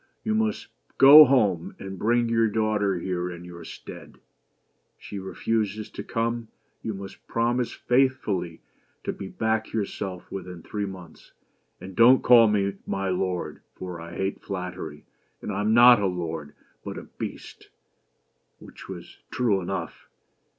"You must go home, and bring your daughter here in your stead. If she refuses to come, you must promise faithfully to be back yourself within three months; and don't call me 'my lord' for I hate flattery, and I am not a lord but a Beast! (which was true enough).